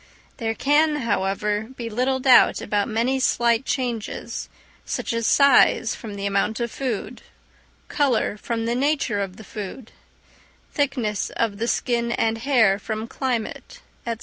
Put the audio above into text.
There can, however, be little doubt about many slight changes, such as size from the amount of food, colour from the nature of the food, thickness of the skin and hair from climate, &c.